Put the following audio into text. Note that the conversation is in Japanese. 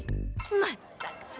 まったく。